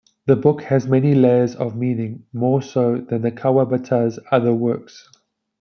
The book has many layers of meaning, more so than Kawabata's other works.